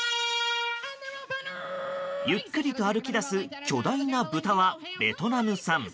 ゆっくりと歩きだす巨大なブタはベトナム産。